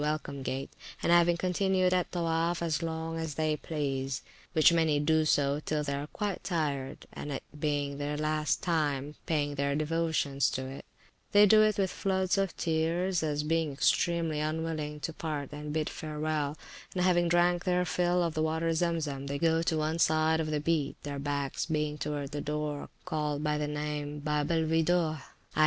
Welcome Gate, and having continued at Towoaf as long as they please, which many do till they are quite tired, and it being the last time of their paying their devotions to it, they do it with floods of tears, as being extremely unwilling to part and bid farewell; and having drank their fill of the water Zem Zem, they go to one side of the Beat, their backs being towards the door called by the name of Babe el Weedoh i.